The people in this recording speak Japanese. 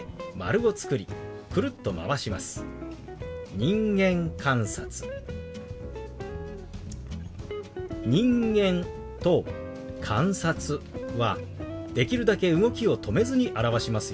「人間」と「観察」はできるだけ動きを止めずに表しますよ。